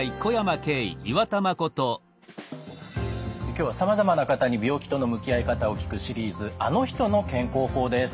今日はさまざまな方に病気との向き合い方を聞くシリーズ「あの人の健康法」です。